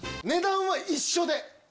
値段は一緒で。